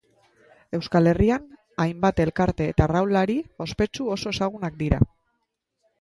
Euskal Herrian hainbat elkarte eta arraunlari ospetsu oso ezagunak dira.